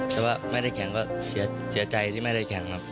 แต่ว่าไม่ได้แข่งก็เสียใจที่ไม่ได้แข่งครับ